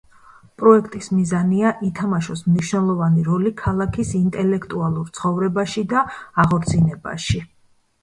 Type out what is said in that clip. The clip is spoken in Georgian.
პროექტის მიზანია, ითამაშოს მნიშვნელოვანი როლი ქალაქის ინტელექტუალურ ცხოვრებაში და აღორძინებაში.